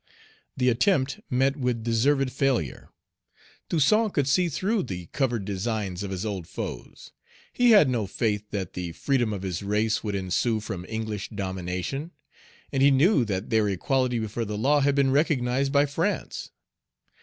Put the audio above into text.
The attempt met with deserved failure. Toussaint could see through the covered designs of his old foes. He had no faith that the freedom of his race would ensue from English domination; and he knew that their equality before the law had been recognized by France.